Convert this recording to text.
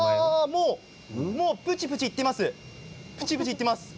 ぷちぷちいっています。